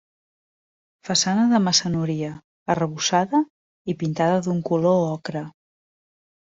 Façana de maçoneria, arrebossada i pintada d'un color ocre.